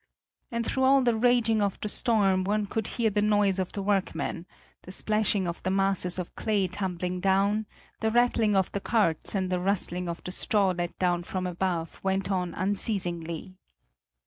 And through all the raging of the storm one could hear the noise of the workmen; the splashing of the masses of clay tumbling down, the rattling of the carts and the rustling of the straw let down from above went on unceasingly.